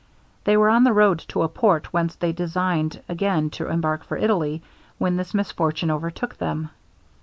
They were on the road to a port whence they designed again to embark for Italy, when this misfortune overtook them.